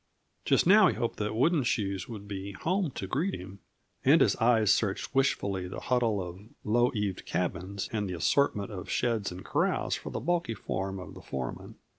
Just now he hoped that Wooden Shoes would be home to greet him, and his eyes searched wishfully the huddle of low eaved cabins and the assortment of sheds and corrals for the bulky form of the foreman.